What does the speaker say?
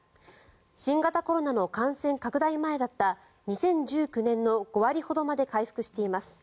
新型コロナの感染拡大前だった２０１９年の５割ほどまで回復しています。